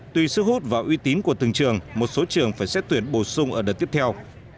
tuy sức hút và uy tín của từng trường một số trường phải xét tuyển bổ sung ở đợt tiếp theo